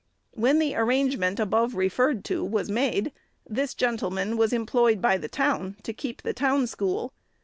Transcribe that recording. When the arrangement, above referred to, was made, this gentleman was employed by the town to keep the town school.